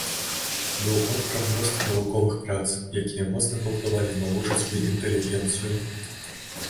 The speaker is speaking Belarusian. Быў аўтарам мноства навуковых прац, якія моцна паўплывалі на лужыцкую інтэлігенцыю.